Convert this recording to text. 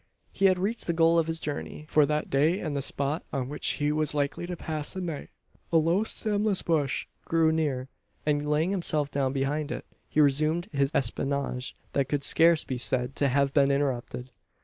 He had reached the goal of his journey for that day and the spot on which he was likely to pass the night. A low stemless bush grew near; and, laying himself down behind it, he resumed the espionage, that could scarce be said to have been interrupted.